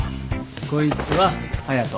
こいつは隼人。